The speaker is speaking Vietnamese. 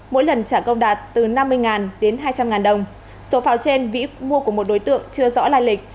mỗi lần trả công đạt từ năm mươi đến hai trăm linh đồng số pháo trên vĩ mua của một đối tượng chưa rõ lai lịch